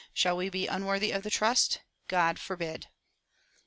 Shall we be unworthy of the trust? God forbid!"